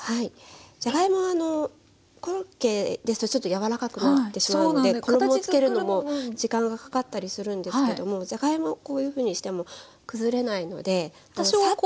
じゃがいもはあのコロッケですとちょっと柔らかくなってしまうので衣付けるのも時間がかかったりするんですけどもじゃがいもこういうふうにしても崩れないのでこうさっと。